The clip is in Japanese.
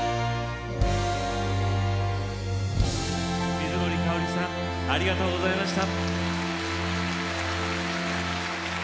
水森かおりさんありがとうございました。